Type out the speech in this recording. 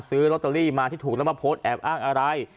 ซื้อลอตเตอรี่มาที่ถูกแล้วมาโพสต์แอบอ้างอะไร